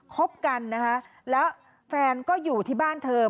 คบกันนะคะแล้วแฟนก็อยู่ที่บ้านเธอ